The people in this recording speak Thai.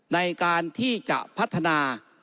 ในการที่จะพัฒนา